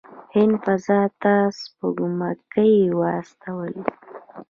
هند فضا ته سپوږمکۍ واستولې.